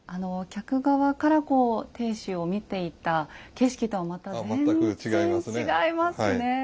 客側からこう亭主を見ていた景色とはまた全然違いますね。